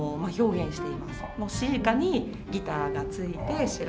詩歌にギターがついて調べ。